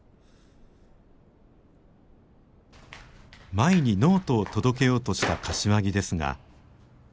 舞にノートを届けようとした柏木ですが。